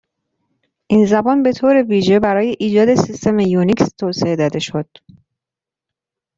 این زبان به طور ویژه برای ایجاد سیستم یونیکس توسعه داده شد.